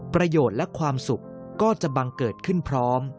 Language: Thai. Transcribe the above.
ประโยชน์และความสุขก็จะบังเกิดขึ้นพร้อม